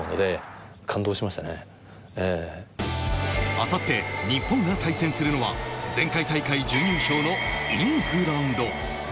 あさって、日本が対戦するのは前回大会、準優勝のイングランド。